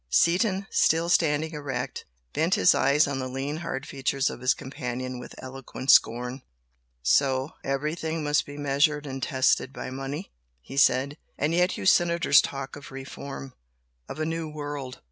Seaton, still standing erect, bent his eyes on the lean hard features of his companion with eloquent scorn. "So! Everything must be measured and tested by money!" he said "And yet you senators talk of reform! of a 'new' world!